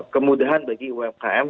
kemudahan bagi umkm